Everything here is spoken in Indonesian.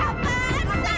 gapain teteh ampun